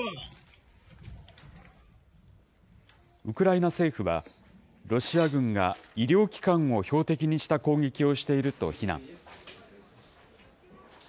ウクライナ政府は、ロシア軍が医療機関を標的にした攻撃をしていると非難。